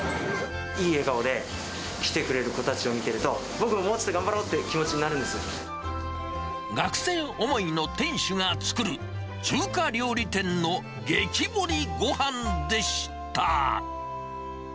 いい笑顔で来てくれる子たちを見ていると、僕ももうちょっと頑張ろうっていう気持ちになるん学生思いの店主が作る中華料理店の激盛りごはんでした。